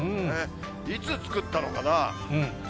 いつ作ったのかな。